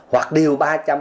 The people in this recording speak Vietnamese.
hoặc điều ba trăm ba mươi một